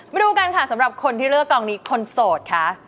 มาดูกันค่ะสำหรับคนที่เลือกกองนี้คนโสดคะ